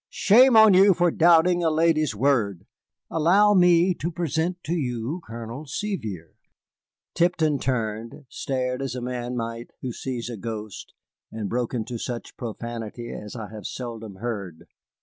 "Shame on you for doubting a lady's word! Allow me to present to you Colonel Sevier." Tipton turned, stared as a man might who sees a ghost, and broke into such profanity as I have seldom heard.